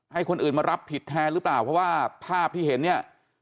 ให้คนอื่นมารับผิดแทนหรือเปล่าเพราะว่าภาพที่เห็นเนี่ย